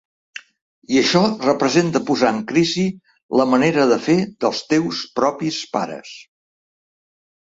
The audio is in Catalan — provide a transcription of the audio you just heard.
I això representa posar en crisi la manera de fer dels teus propis pares.